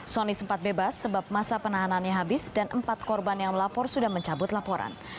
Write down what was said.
sony sempat bebas sebab masa penahanannya habis dan empat korban yang melapor sudah mencabut laporan